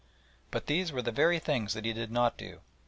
But these were the very things that he did not do.